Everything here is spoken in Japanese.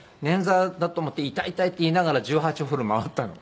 捻挫だと思って「痛い痛い」って言いながら１８ホール回ったの。